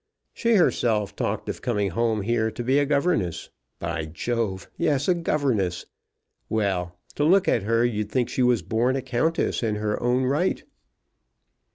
She herself talked of coming home here to be a governess; by Jove! yes, a governess. Well, to look at her, you'd think she was born a countess in her own right."